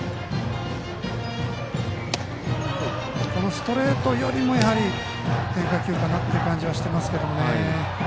このストレートよりもやはり変化球かなという感じはしてますけどね。